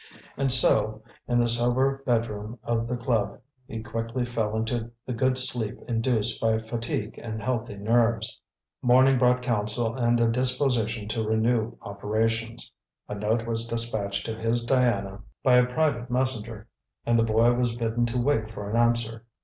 And so, in the sober bedroom of the club, he quickly fell into the good sleep induced by fatigue and healthy nerves. Morning brought counsel and a disposition to renew operations. A note was despatched to his Diana by a private messenger, and the boy was bidden to wait for an answer.